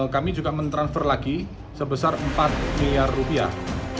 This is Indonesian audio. kami juga mentransfer lagi sebesar empat miliar rupiah